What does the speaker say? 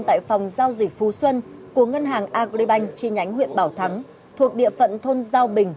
tại phòng giao dịch phú xuân của ngân hàng agribank chi nhánh huyện bảo thắng thuộc địa phận thôn giao bình